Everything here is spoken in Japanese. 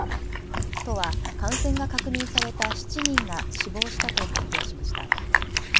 都は感染が確認された７人が死亡したと発表しました。